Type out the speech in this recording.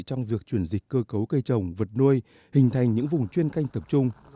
trong việc chuyển dịch cơ cấu cây trồng vật nuôi hình thành những vùng chuyên canh tập trung